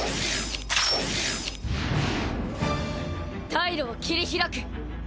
退路を切り開く。